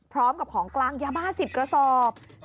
พร้อมกับของกลางยาบ้า๑๐กระสอบ